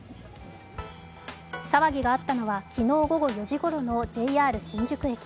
騒ぎがあったのは昨日午後４時ごろのＪＲ新宿駅。